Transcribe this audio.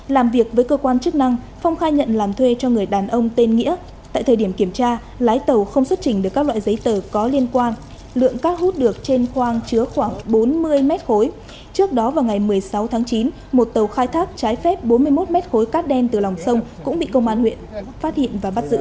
làm việc với cơ quan chức năng phong khai nhận làm thuê cho người đàn ông tên nghĩa tại thời điểm kiểm tra lái tàu không xuất trình được các loại giấy tờ có liên quan lượng cát hút được trên khoang chứa khoảng bốn mươi m khối trước đó vào ngày một mươi sáu tháng chín một tàu khai thác trái phép bốn mươi một m khối cát đen từ lòng sông cũng bị công an huyện phát hiện và bắt giữ